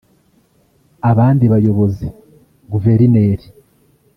Abandi bayobozi (Guverineri